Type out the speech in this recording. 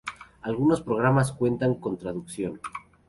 Algunos programas cuentan con traducción.